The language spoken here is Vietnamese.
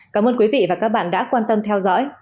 cảm ơn quý vị và các bạn đã quan tâm theo dõi